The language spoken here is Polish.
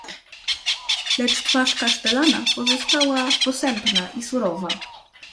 "Lecz twarz kasztelana pozostała posępna i surowa."